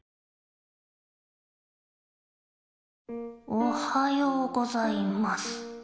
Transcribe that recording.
おはようございます。